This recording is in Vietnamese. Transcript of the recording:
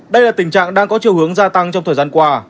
đây là tình trạng đang có chiều hướng gia tăng trong thời gian qua